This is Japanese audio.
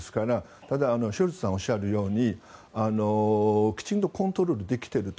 ただ、ショルツさんがおっしゃるようにきちんとコントロールできていると。